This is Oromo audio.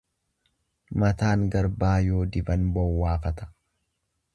Mataan garbaa yoo diban bowwaafata.